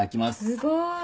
すごい。